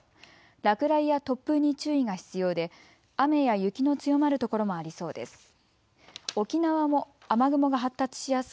落雷や突風に注意が必要で雨や雪の強まる所もありそうです。